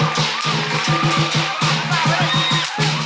เดี๋ยวพี่เป็นเหร่งจูเอง